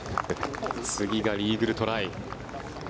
次がイーグルトライ。